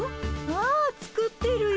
ああ作ってるよ。